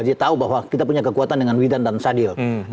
dia tahu bahwa kita punya kekuatan dengan widan dan sadil